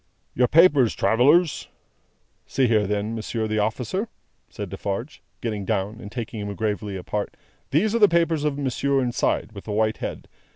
"Your papers, travellers!" "See here then, Monsieur the Officer," said Defarge, getting down, and taking him gravely apart, "these are the papers of monsieur inside, with the white head.